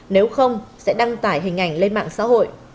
nếu không sẽ đăng tải hình ảnh lên mạng xã hội